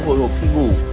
hồi hộp khi ngủ